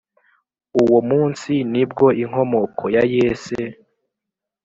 Uwo munsi ni bwo inkomoko ya Yese,